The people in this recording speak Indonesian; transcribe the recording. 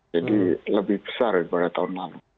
jadi lebih besar daripada tahun lalu